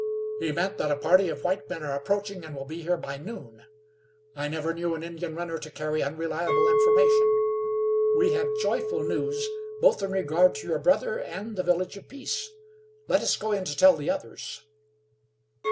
"He meant that a party of white men are approaching, and will be here by noon. I never knew an Indian runner to carry unreliable information. We have joyful news, both in regard to your brother, and the Village of Peace. Let us go in to tell the others."